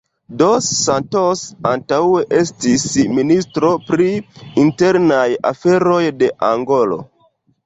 Dos Santos antaŭe estis ministro pri internaj aferoj de Angolo.